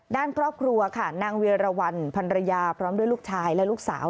ด้านครอบครัวค่ะนางเวียรวรรณพันรยาพร้อมด้วยลูกชายและลูกสาว